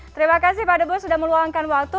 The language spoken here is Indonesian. terima kasih pak debu sudah meluangkan waktu